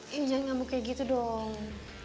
ya jangan ngambuk kayak gitu dong